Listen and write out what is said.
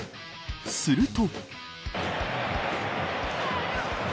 すると。